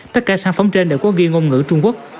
tất cả sản phẩm trên đều có ghi ngôn ngữ trung quốc